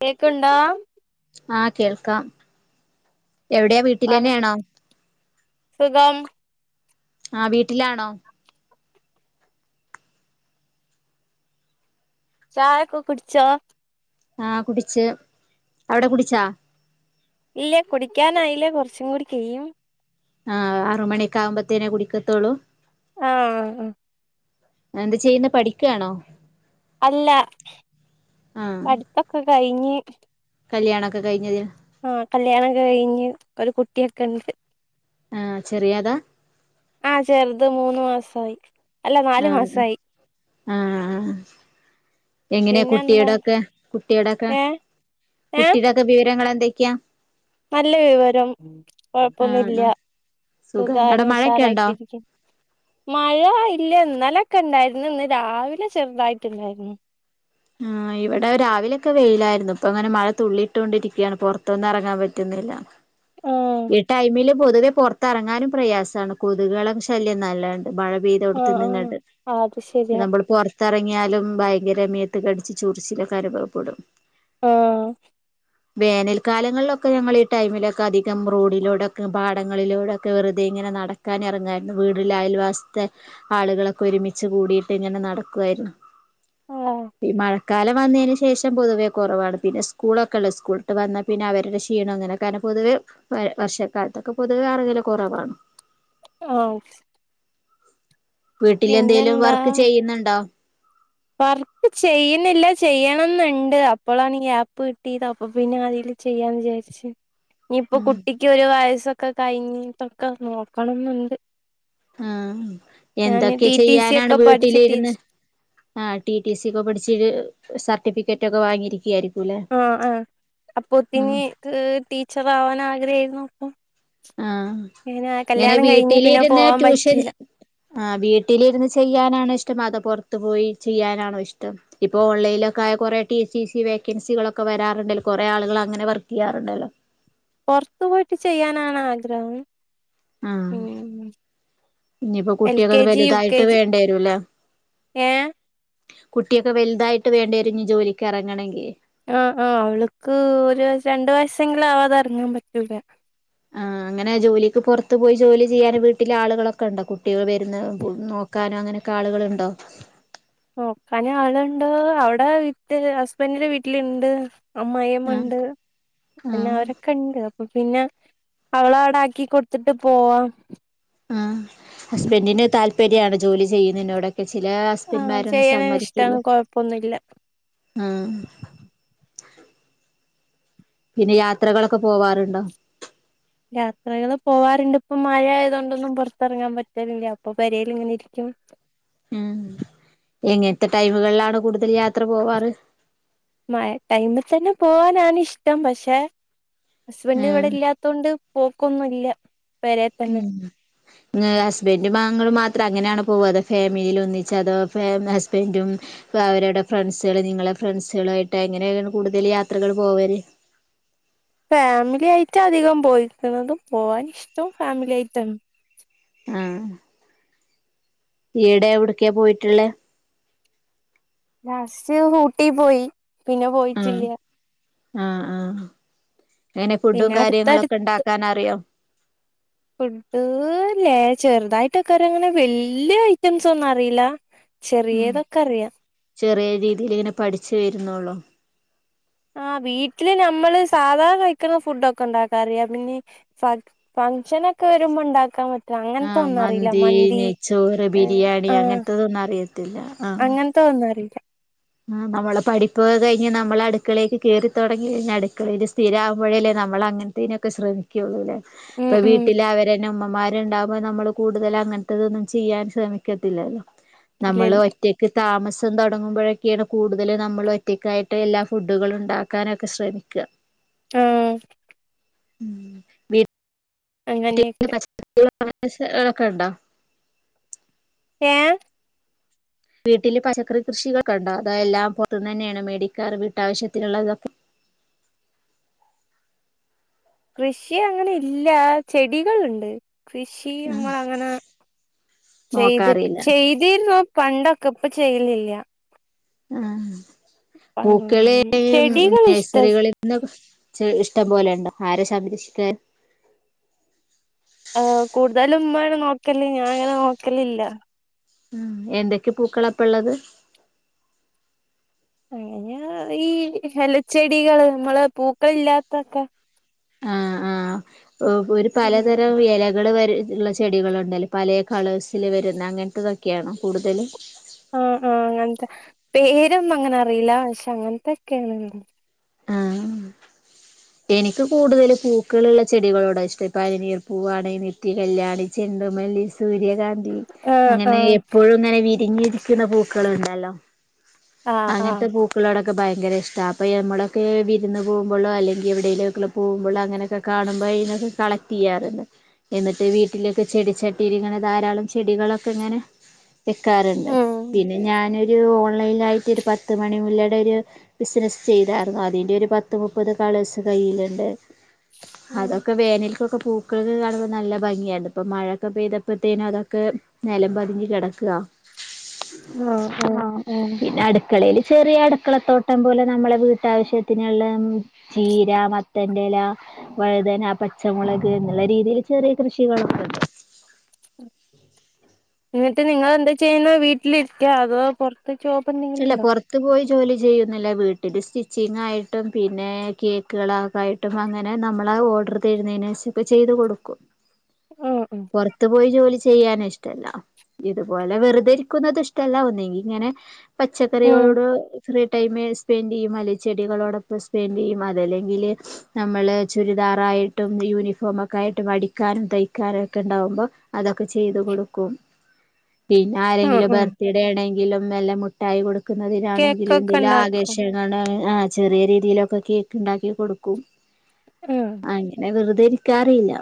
കേക്കുണ്ടാ? ആ കേൾക്കാം. എവിടെയാ? പറ വീട്ടിലന്നെയാണോ? സുഖം ആ വീട്ടിലാണോ? ചായ ഒക്കെ കുടിച്ചോ ആഹ് കുടിച്ച് അവിടെ കുടിച്ചാ ഇല്ലേ കുടിക്കാനായില്ലേ കുറച്ചും കൂടി ചെയ്യും ആ് അറു മണിയൊക്കെ ആകുമ്പത്തേനെ കുടിക്കത്തോളൂ ആഹ എന്ത് ചെയ്യുന്ന പഠിക്കയാണോ അല്ല ആഹ് പടുത്തൊക്കെ കഴിഞ്ഞ് കല്യാണൊക്കെ കഴിഞ്ഞതിൽ ആഹ കല്യാണൊക്കെ കഴിഞ്ഞ് ഒരു കുട്ടിയൊക്കെ ഉണ്ട് ആഹ ചെറിയാതാ ആഹ ചെറുത് മൂന്ന് മാസയി അല്ല നാലു മാസയി ആഹ എങ്ങനെയാ പിന്നെന്താ കുട്ടിയടൊക്കെ കുട്ടിയടൊക്കെ ഏഹ് ഏഹ് കുട്ടിയുടെൊക്കെ വിവരങ്ങൾ എന്തൊക്കെയാ നല്ല വിവരം ആഹ് കൊഴപ്പൊന്നുമല്ല ആഹ് സുഖാണ് അവിടെ സുഖാന് മഴയൊക്കെ ഉണ്ടോ ഉഷാറായിട്ടിരിക്കും മഴ ഇല്ല ഇന്നലൊക്കെ ഇണ്ടായിരുന്നു ഇന്ന് രാവിലെ ചെറുതായിട്ടുണ്ടായിരുന്നു ആ ഇവിടെ രാവിലൊക്കെ വെയിലായിരുന്നു ഇപ്പൊ അങ്ങനെ മഴ തുള്ളിയിട്ടുകൊണ്ടിരിക്കുകയാണ് പുറത്തൊന്ന് ഇറങ്ങാൻ പറ്റുന്നു ന്നില്ല ആഹ് ഈ ടൈമില് പൊതുവെ പുറത്തിറങ്ങാനും പ്രയാസമാണ് കൊതുകുകള ശല്യം നല്ലണ്ട് മഴ പെയ്ത കൊടുത്ത് ആഹ് നി ഇങ്ങോട്ട് ആഹ് അത് ശരിയാ നമ്മളിപ്പോറ ത്തിറങ്ങിയാലും ഭയങ്കര മേത്ത് കടിച്ച്ച് ചൊറിച്ചിലൊക്കെ അനുഭവപ്പെടും ആഹ വേനൽക്കാലങ്ങളിലൊക്കെ ഞങ്ങൾ ഈ ടൈമിലൊക്കെ അധ ക്കം റോഡിലോടെയൊക്കെ പാടങ്ങളിലോടെയൊക്കെ വെറുതെ ഇങ്ങനെ നടക്കാനിറങ്ങമായിരുന്നു വീട്ടില അയൽവാസത്തെ ആളുകളൊക്കെ ഒരുമിച്ച് കൂടിട്ട് ഇങ്ങനെ നടക്കുവായിരുന്നു ആഹ് ഈ മഴ കാലം വന്നതിന് ശേഷം പൊതുവേ കുറവാണ് പിന്നെ സ്കൂളൊക്കെ ഉള്ളത് സ്കൂളിട്ട് വന്നാൽ പിന്നെ അവരുടെ ക്ഷീണം അങ്ങനെ കാരണം പൊതുവേ വ വർഷക്കാലത്തൊക്കെ പൊതുവെറെങ്ങല് കുറവാണ് ആ വീട്ടിൽ എന്തെലും വർക്ക് ചെയ്യുന്നുണ്ടോ വർക്ക് ചെയ്യുന്നില്ല ചെയ്യണംന്നുണ്ട് അപ്പോഴാണ് ഗ്യാപ്പ് കിട്ടിയത് അപ്പൊ പിന്നെ അതില് ചെയ്യാന്ന് വിചാരിച്ചു ഇനിയിപ്പൊ കുട്ടിക്ക് ഒരു വയസ്സൊക്കെ കഴിഞ്ഞിട്ടൊക്കെ നോക്കണം എന്നുണ്ട് ആഹ എന്തൊക്കെ ടി ടി സി ചെയ്യാനാണ് ഒക്കെ പഠിച്ച് വീട്ടിലിരുന്ന് ടീച്ചർ ആ ടി ടി സി ഒക്കെ പഠിച്ചിട്ട് സർട്ടിഫിക്കറ്റ് ഒക്കെ വാങ്ങിയിരിക്കുകയായിരിക്കും ആ ആ അപ്പൊ ഒത്തിന് ടീച്ചർ ആവാൻ ആഗ്രഹായിരുന്നു അപ്പൊ ആഹ അങ്ങനെ ഇങ്ങനെ കല്യാണം കഴിഞ്ഞ് പിന്നെ വീട്ടിലിരുന്ന് പോവാൻ ട്യൂഷൻ പറ്റിയില്ല ആഹ വീട്ടിലി ഇരുന്ന് ചെയ്യാനാണ് ഇഷ്ട അത പുറത്തു പോയി ചെയ്യാനാണോ ഇഷ്ടം ഇപ്പോ ഓൺലൈലിലൊക്ക ആയ കുറേ ടി എച്ച് ഇ സി വേക്കൻസികളൊക്കെ വരാറുണ്ടല്ലോ കൊറേ ആളുകൾ അങ്ങനെ വർക്ക് ചെയ്യാറുണ്ടല്ലോ പുറത്തു പോയിട്ട് ചെയ്യാനാണ് ആഗ്രഹം ആഹ് ഉ ഇനിയിപ്പോ കുട്ടിയക്കെ ഒന്ന് വലുതായിട്ട് വേണ്ട വരുംല്ലേ ഏഹ് കുട്ടിയൊക്കെ വലുതായിട്ട് വേണ്ടരുന്നു ജോലിക്ക് ഇറങ്ങണെങ്കിൽ ആഹ ആഹ അവൾക്ക് ഒരു രണ്ടു വയസെങ്കിലും ആവാതെ ഇറങ്ങാൻ പറ്റൂല ആഹ അങ്ങനെ ജോലിക്ക് പുറത്ത് പോയി ജോലി ചെയ്യാനും വീട്ടിലെ ആളുകളൊക്കെ ഉണ്ട് കുട്ടികൾ വരുന്ന് നോക്കാനും അങ്ങനെയൊക്കെ ആളുകളുണ്ടോ നോക്കന ആളുണ്ടോ അവിടെ വി ഹസ്ബൻഡന്റെ വീട്ടിലുണ്ട് ആഹ് അമ്മയമ്മയുണ്ട് പിന്നെ ആഹ് അവരൊക്കെ ഉണ്ട് അപ്പൊ പിന്നെ അവള അവിട ആക്കി കൊടുത്തിട്ട് പോവാ ആ ഹസ്ബൻറിന്‌ താല്പര്യാണ് ജോലി ചെയ്യുന്നതിനോടൊക്കെ ചില ആ അസ്ബന്റ്ന്മാരൊന്നും ചെയ്യാന് സമ്മതിക്കില്ല ഇഷ്ടാണ് കൊഴപ്പൊന്നുല്ല ആ പിന്നെ യാത്രകളൊക്കെ പോവാറുണ്ടോ യാത്രകള് പോവാറുണ്ട് ഇപ്പ മഴ ആയത കൊണ്ടൊന്നും പുറത്തിറങ്ങാൻ പറ്റലില്ല അപ്പൊ പരൽ ഇങ്ങനെരിക്കും ഉം എങ്ങനത്തെ ടൈമുകളിലാണ് കൂടുതൽ യാത്ര പോവാറ് മ ടൈമിൽ തന്നെ പോവാനാണ് ഇഷ്ടം പക്ഷെ ഹസ്ബൻഡ് ഇവിടെ ആഹ് ഇല്ലാത്ത കൊണ്ട് പോക്കൊന്നുംല്ല പരെ തന്നെ ഉം ഹസ്ബൻഡും മാങ്ങും മാത്രം അങ്ങനെയാണ് പോവ അതോ ഫാമിലിയിൽ ഒന്നിച്ച അതോ ഹസ്ബൻറും അവരുടെ ഫ്രണ്ട്സുക നിങ്ങളെ ഫ്രണ്ട്സുകളായിട്ട് എങ്ങനെയാണ് കൂടുതൽ യാത്രകൾ പോവര് ഫാമിലിയിട്ട് അധികം പോയിക്കുന്നതും പോവാൻ ഇഷ്ടവും ഫാമിലി ആയിട്ട ആഹ ഈടെ എവിടക്കാ പോയിട്ടുള്ളെ ലാസ്റ്റ് ഊട്ടി പോയി പിന്നെ പോയിട്ടില്ല ആഹ ആഹ അങ്ങനെ ഫുഡും പിന്നെ അടുത്തടു കാര്യങ്ങളൊക്കെ ഉണ്ടാക്കാൻ അറിയോ ഫുഡ്ല്ലേ ചെറുതായിട്ടൊക്കൊര അങ്ങനെ വല്യ ഐറ്റംസ ഒന്നും അറിയില്ല ചെറിയതൊക്കെ അറിയാ രീതിൽ ഇങ്ങനെ പഠിച്ചു വരുന്നുള്ളോ ആ വീട്ടില് നമ്മള് സാധാരണ കഴിക്കുന്ന ഫുടൊക്കറിയ പിന്നെ ഫംഗ്ഷനൊക്കെ വരുമ്പോ ണ്ടാക്കാൻ അങ്ങൻത്തെ ആഹ് ഒന്നും അറിയില്ല മന്തി നെയ്ച്ചോറ് ബിരിയാണി ആ അങ്ങനത്തതൊന്നും അറിയത്തില്ല അങ്ങൻത്തെ ന്നറിയില്ല ആ് നമ്മള പഠിപ്പൊക്കെ കഴിഞ്ഞ് നമ്മള് അടുക്കളേക്ക് കേറി തൊടങ്ങി കഴിഞ്ഞ് അടുക്കളേക്ക്‌ സ്ഥിരാവുമ്പോഴല്ലേ നമ്മ നമ്മളങ്ങനത്തേനൊക്കെ ശ്രമിക്കുള്ളൂല്ലേ ഉം ഇപ്പ ഉം വീട്ടിലവരെന്നെ ഉ മ്മാര്ണ്ടാവുമ്പോ നമ്മള് കൂടുതൽ അങ്ങനത്തെതൊന്നും ചെയ്യാൻ ശ്രമിക്കത്തില്ലല്ലോ ഇല്ല നമ്മള് ഇല്ല ഒറ്റക്ക് താമസം തൊടങ്ങുമ്പോഴ ക്കെണ് കൂടുതൽ നമ്മൾ ഒറ്റക്കായിട്ട് എല്ലാ ഫുഡുകളും ഉണ്ടാക്കാനൊക്കെ ശ്രമിക്ക ആ വീ അങ്ങനെയൊക്കെ [unintelligible] ണ്ടോ ഏ വീട്ടില് പച്ചക്കറി കൃഷികളൊക്കെ ഉണ്ടോ അതോ എല്ലാം പൊറത്തുന്ന്ന്നെയാണോ മേടിക്കാറ് വീട്ടാവശ്യത്തിനുള്ളതൊക്കെ കൃഷി അങ്ങനെ ഇല്ല ചെടികൾണ്ട് കൃഷി ആ നമ്മൾ അങ്ങനെ ചെയ്ത് നോക്കാറില്ല ചെയ്തീര്ന്നു പണ്ടൊക്കെ ഇപ്പ ചെയ്ലില്ല ആ പൂക്കളി ചെടികൾ ഇഷ്ട നഴ്സറികളിൽന്ന് ച ഇഷ്ടം പോലെ ഉണ്ടോ ആരാ സംരക്ഷിക്കത് ആ കൂടുതലും മ്മാണ് നോക്കല് ഞാൻ അങ്ങനെ നോക്കലില്ല ഉം എന്തൊക്കെ പൂക്കളപ്പള്ളത് അങ്ങനെ ഈ എലച്ചെടികള് നമ്മള് പൂക്കളില്ലാത്തൊക്കെ ആ ആ ഒരു ഉം പലതരം എലകൾള് വ ഉള്ള ചെടികളുണ്ടല്ലോ പലേ കളേഴ്സിൽ വരുന്ന അങ്ങനത്തൊക്കെയാ കൂടുതല് ആ ആ അങ്ങൻത്തെ പേരൊന്നും അങ്ങനെ അറിയില്ല പക്ഷെ അങ്ങനത്തെക്കെണ് ആ എനിക്ക് കൂടുതൽ പൂക്കളുള്ള ചെടികളോടാ ഇഷ്ടം പനിനീർ പൂവാണ് നിത്യകല്യാണി, ചെണ്ടുമ ല്ലി, സൂര്യകാന്തി ആഹ് അങ്ങനെ ആഹ് എപ്പോഴുംങ്ങെനെ വിരി ഞ്ഞിരിക്കണ പൂക്കള്ണ്ടല്ലോ ആഹ് അങ്ങൻത്തെ ആഹ് പൂക്കളോട ക്കെ ഭയങ്കര ഇഷ്ട അപ്പോൾ നമ്മളൊക്കെ വിരുന്ന് പോകുമ്പോഴോ അല്ലെങ്കിൽ എവിടേക്കെ പോക്പോ അങ്ങനെയൊക്കെ കാണുമ്പോ [unintelligible] ചെയാർണ്ട് എന്നിട്ട് വീട്ടിലൊക്കെ ചെടിച്ചട്ടില് ധാരാളം ചെടികളൊക്കെ ഇ ങ്ങനെ വെക്കാർണ്ട് ഉം പിന്നെ ഞാനൊരു ഓൺലൈനായി പത്ത് മണി മുല്ലയുടെ ഒരു ബിസിനസ്സ് ചെയ്തായിരുന്നു അതിൻന്റൊരു പത്ത് മുപ്പത് കളേഴ്സ് കയ്യില്ണ്ട് ഉം അതൊക്കെ വേനൽക്കൊക്കെ പൂ ക്കള് കാണുമ്പോൾ നല്ല ഭംഗിയുണ്ട് ഇപ്പൊ മഴൊക്കെ പെയ്തപ്പോഴത്തേനും അതൊക്കെ നെലം പതിഞ്ഞ് കെടക്ക ആഹ് ആ ആഹ് പിന്നെ അട് ക്കളേല് ചെറിയ അടുക്കള തോട്ടം പോലെ നമ്മളെ വീട്ടാവശ്യത്തിനുള്ള ചീര, മത്തൻ്റെ ല വഴുതന, പച്ചമുളക് എന്നുള്ള രീതിയിൽ ചെറിയ കൃഷികളുണ്ട് ഉ [unintelligible] എന്നിട്ട് നിങ്ങളെന്താ ചെയ്യുന്നെ വീട്ടിലിരിക്ക അതോ പൊറത്ത് ജോബെന്തെങ്കിലും അല്ല ഉണ്ടോ പുറത്തു പോയി ജോലി ചെയ്യുന്നില്ല വീട്ടിൽ സ്റ്റിച്ചിങ്ങായിട്ടും പിന്നെ കേക്കുകളായിട്ടും അങ്ങനെ നമ്മള ഓർഡർ തരുന്നതിനനുസരിച്ച് ചെയ്ത് കൊടുക്കും ആഹ് ആഹ് പൊറത്ത് പോയി ജോലി ചെയ്യാനും ഇഷ്ടല്ല ഇതുപോലെ വെറുതെയിരിക്കുന്നത് ഇഷ്ടല്ല ഒന്നെങ്കി ഇങ്ങനെ ഉം പച്ചക്കറികളോട് ഫ്രീ ടൈമിൽ സ്പെൻഡ് ചെയ്യും അല്ലെങ്കിൽ ചെടികളോടൊപ്പം സ്പെൻഡ് ചെയ്യും അതല്ലെങ്കില് നമ്മള് ചുരിദാറായിട്ടും യൂണിഫോമൊക്കായിട്ടും അടിക്കാനും തയ്ക്കാനും ഒക്കെണ്ടാവുമ്പോ അതൊക്കെ ചെയ്ത് കൊടുക്കും പിന്നെ ആഹ് ആരെങ്കിലും ആഹ് ബർത്ത്ഡേണെങ്കിലും എല്ലാം മുട്ടായി കൊടുക്ക ക്കുന്നതിനാണെങ്കിലും കേക്കൊക്കെ എന്തെങ്കിലും ഉണ്ടാക്കും ആകേശങ്ങ [unintelligible] ചെറിയ രീതിയിലൊക്കെ കേക്ക് ഉണ്ടാക്കി കൊടുക്കും ആഹ് അങ്ങനെ വെറുതെ ക്കറിയില്ല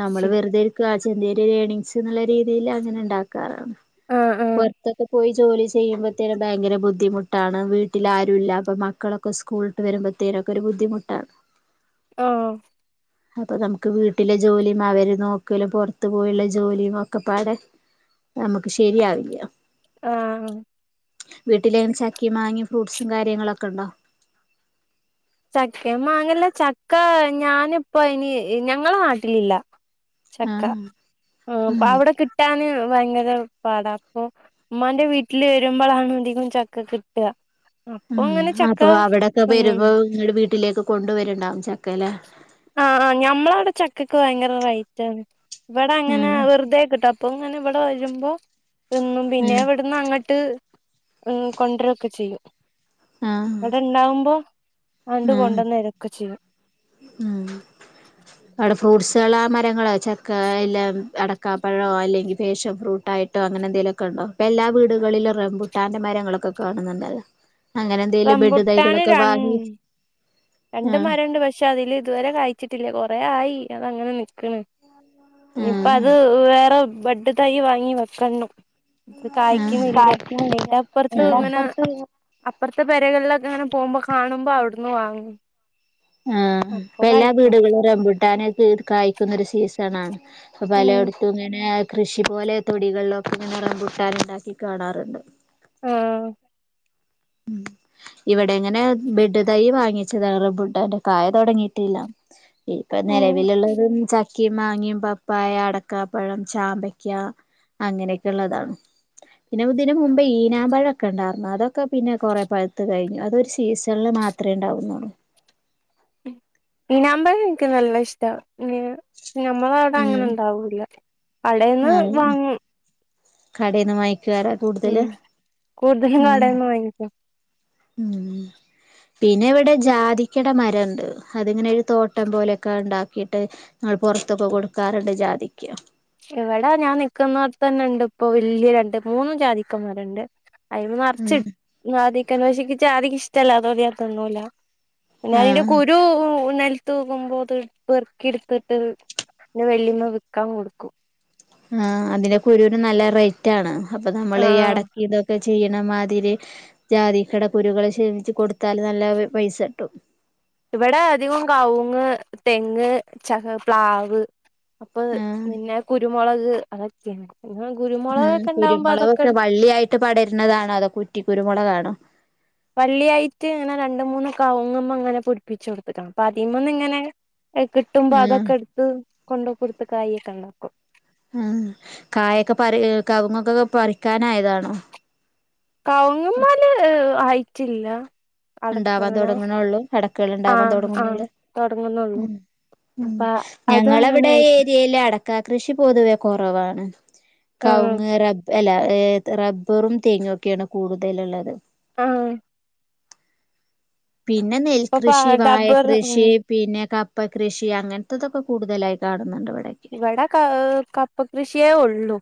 നമ്മള് ശരി വെറുതെയിരി ചെറിയ ഒരു ഏണിങ്സ് എന്നുള്ള രീതിയിൽ അങ്ങനെ ഉണ്ടാക്കാറാണ് ആഹ് ആഹ് പൊറത്തൊക്കെ ജോലി ചെയ്യുമ്പോഴത്തേനും ഭയങ്കര ബുദ്ധിമുട്ടാണ് വീട്ടിൽ ആരും ഇല്ല അപ്പ മക്കളൊക്കെ സ്കൂളിട്ട് വരുമ്പോഴത്തേനും അതൊക്കെ ഒരു ബുദ്ധിമുട്ടാണ് ആ അപ്പൊ നമുക്ക് വീട്ടിലെ ജോലിയും അവര് നോക്കലും പുറത്തു പോയുള്ള ജോലിയും ഒക്കെ പാടെ നമുക്ക് ശരിയാവില്ല ആ വീട്ടിലെ ചക്കി മാങ്ങിയും ഫ്രൂട്ട്സും കാര്യങ്ങളൊക്കെ ഉണ്ടോ ചക്ക മാങ്ങല്ല ചക്ക ഞാനിപ്പ ഇനി ഞങ്ങള നാട്ടിലില്ല ചക്ക ആഹ് ആ അപ്പൊ ഉം അവിടെ കിട്ടാന് ഭയങ്കര പാട അപ്പൊ ഉമ്മാന്റെ വീട്ടിൽ വരുമ്പോളാണ് അധികവും ചക്ക കിട്ടുക അപ്പൊ അങ്ങനെ ഉ ചക്ക അപ്പൊ അവിടൊക്കെ തിന്നും വരുമ്പോ നിങ്ങടെ വീട്ടിലേക്ക് കൊണ്ടുവരണ്ടാവും ചക്കലെ ആ ആ ഞമ്മള അവിടെ ചക്കക്ക് ഭയങ്കര റേറ്റ് ആണ് ഇവിടെ അങ്ങനെ ഉം വെറുതെക്കിട്ടും അപ്പൊ ഇങ്ങനെ ഇവിടെ വരുമ്പോ തിന്നും പിന്നെ ഉം ഇവിടുന്ന് അങ്ങ് ഇട്ട് കൊണ്ടരൊക്കെ ചെയ്യും ആഹ് അവിടെ ഉണ്ടാവുമ്പോ അണ്ട് ആഹ് കൊണ്ടുവന്ന ഇരൊക്കെ ചെയ്യും ഉം അവിടെ ഫ്രൂട്ട്സുകൾ മരങ്ങളോ ചെക്ക എല്ലാം അടക്കാപ്പഴമോ അല്ലെങ്കിൽ ഫാഷൻ ഫ്രൂട്ട് ആയിട്ടോ അങ്ങനെ എന്തേലുമൊക്ക ഉണ്ടോ ഇപ്പൊ എല്ലാ വീടിലും റബുട്ടാൻന്റെ മരങ്ങളൊക്കെ കാണുന്നുണ്ടല്ലോ അങ്ങനെ എന്തെലും ബെഡ് റംബുട്ടാന് തൈകളൊക്കെ വാങ്ങി രൺ ആ രണ്ട് മരമുണ്ട് പക്ഷെ അതില് ഇതുവരെ കായ്ച്ചിട്ടില്ല കൊറെ ആയി അതങ്ങനെ നിക്കണ് ആ ഇപ്പൊ അത് വേറെ ബഡ് തൈ വാങ്ങി വെക്കണം ഇത് ആ കായ്ക്കുന്നില്ല കായ്ക്കണില്ല എന്നിട്ട് അപ്പുറത്ത് എന്റെ ഇങ്ങനെ അപ്പുറത്ത് അപ്പുറത്തെ പെരകളിലൊക്കെ ഇങ്ങനെ പോകുമ്പോ കാണുമ്പോ അവിടുന്ന് വാങ്ങും ആ. അപ്പൊ ഇപ്പൊ എല്ലാ കഴിക്കും വീടുകളും റംബൂട്ടാൻ കായ്ക്കുന്ന സീസൺ ആണ് അപ്പൊ ഉം പലയിടത്തും ഇങ്ങനെ കൃഷി പോലെ തൊടികളിലൊക്കെ റംബൂട്ടാൻ ഉണ്ടാക്കി കാണാറുണ്ട് ആഹ് ഉം ഇവിടെ എങ്ങനെ ബെഡ് തൈ വാങ്ങിച്ചതാ റംബൂട്ടാന്റെ കായ തുടങ്ങിട്ടില്ല ഇപ്പൊ ഉം നിലവിലുള്ളത ചക്കയും മാങ്ങിയും പപ്പായ അടക്കാപ്പഴം ചാമ്പയ്ക്ക അങ്ങനെയൊക്കെ ഉള്ളതാണ് പിന്നെ ഇതിനന് മുമ്പ് ഈനാമ്പഴൊക്കെ ഉണ്ടായിരുന്നു അതൊക്കെ ഒക്കെ പിന്നെ കൊറെ പഴുത്ത കഴിഞ്ഞു അതൊരു സീസണില് മാത്രമേ ഉണ്ടാവുന്നുള്ളൂ നാുമമ്പ എനിക്ക് നല്ല ഇഷ്ടമാണ് പിന്ന നമ്മൾ അവിടെ അങ്ങനെ ഉം ഇണ്ടാവൂില്ല അടെന്ന് വാങ്ങും കടയിൽന്ന് മഴക്കുവരാ കൂടുതല് ഉം കൂടുതലും ഉ കടേന്ന് വാങ്ങിക്കും ഉം പിന്നെ ഇവിടെ ജാതിക്കട മരംുണ്ട് അതിങ്ങനെ ഒരു തോട്ടം പോലെയൊക്കെ ഉണ്ടാക്കിട്ട് പുറത്തൊക്കെ കൊടുക്കാറുണ്ട് ജാതിക്ക് എവിടൊ ഞാൻ നിിക്കുന്നോടത്ത് തന്നെ ഇണ്ട് ഇപ്പൊ വലിയരുണ്ട് മൂന്നും ജാതിക്കന്മാരുണ്ട് അയി്മ മറച്ച്ട്ട് ഉം ആദിക്ക വശ ആദിക്ക ഇഷ്ടമല്ല അതോടിയാതൊന്നുമല്ല എന്നന്റെ ആഹ് കുരു തൂവുമ്പോത് പെറുക്കി എടുത്തിട്ട് വെള്ളിന്ന് വിൽക്കാൻ കൊടുക്കും ആ അതിന്റെ കുരുവിന നല്ല റേറ്റ് ആണ് അപ്പൊ നമ്മൾ ഈ ആഹ് അടക്കി ഇതൊക്കെ ചെയ്യണംമാതിരി ജാതി കടക്കുരുുകെ ക്ഷമിച്ചച്ച് കൊടുത്താല് നല്ല പൈസ ഇട്ടും ഇവിടെ അധികം കവുങ്ങ് തെങ്ങ് ച പ്ലാവ് അപ്പൊ ആഹ് നിന്നെ കുരുമുളക് അലയാണ് ഉം കുരുമുളകൊക്കെ വള്ളിയായിട്ട് പടരുന്നതാണോ അതോ കുറ്റി കുരുമുളക്ാണോ വള്ളിയായിട്ട് ഇങ്ങനെ രണ്ട മൂന്ന് കവങ്ങമ്മ അങ്ങനെ പൊടിപ്പിിച്ചു കൊടുത്തക്കണം അപ്പൊ അതിീമ ഒന്ന് ഇങ്ങനെ കിട്ടുമ്പോ ആഹ് അതൊക്കെ എടുത്ത് കൊണ്ടോ കൊടുത്ത കായൊക്കെ ഉണ്ടാക്കും ആ കായൊക്കെ പ കവുങ്ങൊക്കൊക്കെ പറിക്കാനായതാണോ കവങ്ങമാല് ആയിട്ടില്ല അടക്ക ഉണ്ടാവാൻ അങ്ങനെ തൊടങ്ങുന്നള്ളൂ കടക്കകൾ ഉണ്ടാവാൻ ആഹ് ആഹ് തൊടങ്ങുന്നള്ളൂ ഉ തുടങ്ങുന്നുള്ളൂ ഉ അപ്പൊ അത് അങ്ങനെ ഞങ്ങളവിടെ ആയിട്ട് ഏരിയയില അട കൃഷി പൊതുവെ കുറവാണ് ആഹ് കവുങ്ങ് റബ അല്ല റബ്ബറും തേങ്ങുമ ഒക്കെയാണ് കൂടുതലുള്ളത് ആഹ പിന്നെ ഇപ്പൊ നെൽകൃഷി വഴ ഡബ്ബർ ഉം കൃഷി പിന്നെ ക ഇപ്പ കൃഷി അങ്ങനത്തെതൊക്കെ കൂടുതലായി കാണുന്നുണ്ട് ഇവിടൊക്കെ വട ക കപ്പ കൃഷിയേ ഉള്ളു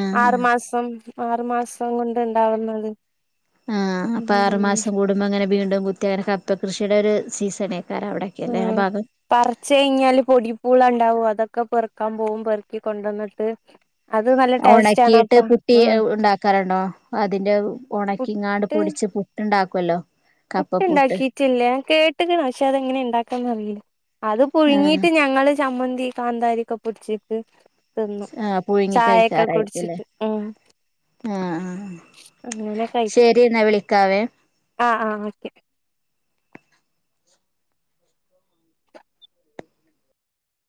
ആഹ് ആറു മാസം ആറു മാസം കൊണ്ട് ഉണ്ടാവുന്നത് ആഹ് അപ്പൊ ഉം ആറുമാസം കൂടുമ്പോ അങ്ങനെ വീണ്ടും കുത്തി അങ്ങനെ കപ്പ കൃഷിയുടെ ഒരു സീസണ ഉം പച്ച് കഴിഞ്ഞാല് പൊടിപ്പൂള ഉണ്ടാവും അതൊക്കെ ഒക്കെ പെറുക്കാൻ പോകും പെറുക്കി കൊണ്ട വന്നിട്ട് ഉണക്കിയിട്ട് പുട്ടി ഉണ്ടാക്കാറുണ്ടോ അതിന്റെ ഉണക്കി ഇങ്ങാണ്ട് പൊടിച്ച് പുട്ട് ഉണ്ടാക്ക പുട്ട് ഉണ്ടാക്കിട്ടില്ലേ കേട്ടക്കണ പക്ഷെ അതെങ്ങനെ ഇണ്ടാക്കാന്ന് അറിയില്ല അത് ആഹ് പുഴുങ്ങിട്ട് ഞങ്ങള് ചമ്മന്തി കാന്താരിരിക്കെ പൊടച്ചിക്ക് തിന്നു ആഹ് പുഴുങ്ങി ചായയൊക്കെ കുടിച്ചിട്ട് ഉ ആഹ ആ ശരി എന്നാ വിളിക്കാവേ ആഹ ആഹ് ഓക്കെ